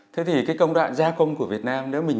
thế thì cái công đoạn gia công của việt nam